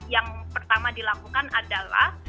yang pertama dilakukan adalah